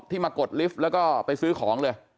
มากดลิฟต์แล้วก็ไปซื้อของเลย